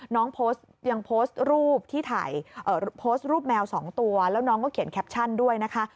โพสต์ยังโพสต์รูปที่ถ่ายโพสต์รูปแมว๒ตัวแล้วน้องก็เขียนแคปชั่นด้วยนะคะ